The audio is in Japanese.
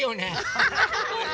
ハハハッ！